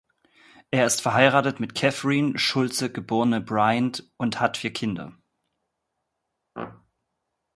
Er ist verheiratet mit Catherine Schultze geborene Briand und hat vier Kinder.